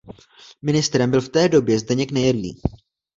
Ministrem byl v té době Zdeněk Nejedlý.